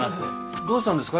どうしたんですかい？